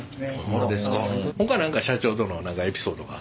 ほか何か社長との何かエピソードは？